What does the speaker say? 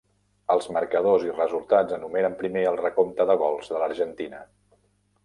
Els marcadors i resultats enumeren primer el recompte de gols de l'Argentina.